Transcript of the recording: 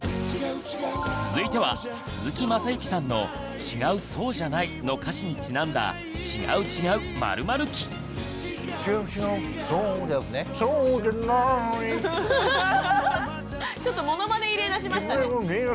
続いては鈴木雅之さんの「違う、そうじゃない」の歌詞にちなんだちょっとものまね入れだしましたね。